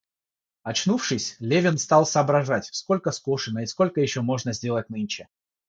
Очнувшись, Левин стал соображать, сколько скошено и сколько еще можно сделать нынче.